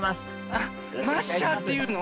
あっマッシャーというの？